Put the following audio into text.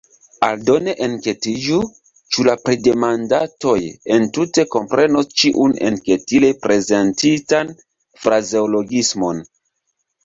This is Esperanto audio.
Aldone enketiĝu, ĉu la pridemandatoj entute komprenos ĉiun enketile prezentitan frazeologismon.